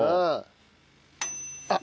あっ。